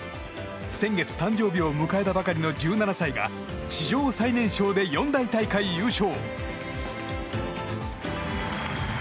先月誕生日を迎えたばかりの１７歳が史上最年少で四大大会優勝。